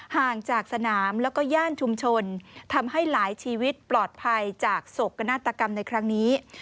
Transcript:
ห่างจากสนามแล้วก็ย่านชุมชนทำให้หลายชีวิตปลอดภัยจากโศกนาฏกรรมในครั้งนี้